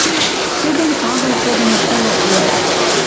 Чӹдӹн агыл кодыныт тылыквлӓ